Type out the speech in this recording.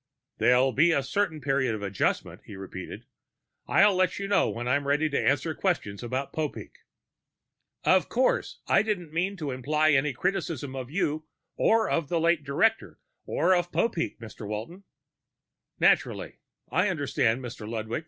"There'll be a certain period of adjustment," he repeated. "I'll let you know when I'm ready to answer questions about Popeek." "Of course. I didn't mean to imply any criticism of you or of the late director or of Popeek, Mr. Walton." "Naturally. I understand, Mr. Ludwig."